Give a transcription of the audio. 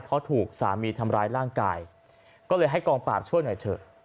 เพราะถูกสามีทำร้ายร่างกายก็เลยให้กองปราบช่วยหน่อยเถอะ